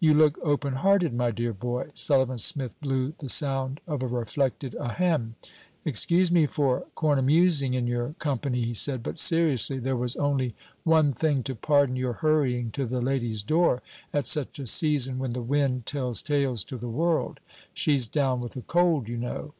'You look open hearted, my dear boy.' Sullivan Smith blew the sound of a reflected ahem. 'Excuse me for cornemusing in your company,' he said. 'But seriously, there was only one thing to pardon your hurrying to the lady's door at such a season, when the wind tells tales to the world. She's down with a cold, you know.'